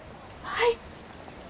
はい。